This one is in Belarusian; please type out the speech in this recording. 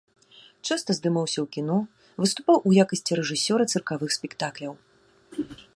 Часта здымаўся ў кіно, выступаў у якасці рэжысёра цыркавых спектакляў.